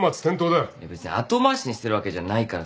いや別に後回しにしてるわけじゃないからさ。